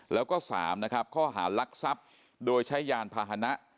แล้วก็๓นะครับข้อหารักทรัพย์โดยใช้ยานพาหนะ